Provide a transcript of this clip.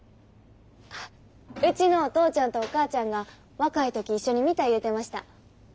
あっうちのお父ちゃんとお母ちゃんが若い時一緒に見た言うてました。